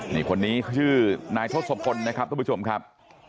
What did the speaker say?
นี่คนนี้ชื่อนายทศพลนะครับทุกผู้ชมครับ